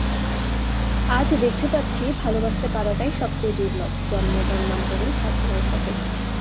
আজ দেখতে পাচ্ছি ভালোবাসতে পারাটাই সব চেয়ে দুর্লভ, জন্মজন্মান্তরের সাধনায় ঘটে।